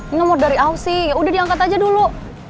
ini umur dari ausi yaudah diangkat aja dulu